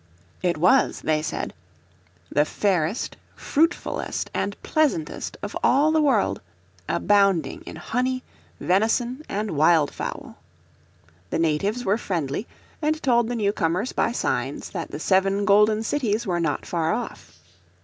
It was, they said, the fairest, fruitfullest and pleasantest of all the world, "abounding in honey, venison and wildfowl." The natives were friendly and told the newcomers by signs that the seven golden cities were not far off.